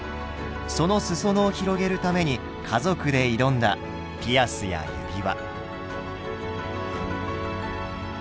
その裾野を広げるために家族で挑んだピアスや指輪。